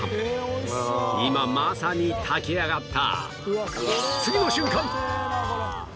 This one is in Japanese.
今まさに炊き上がった